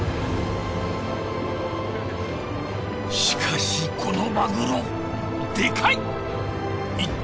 しかしこのマグロでかい！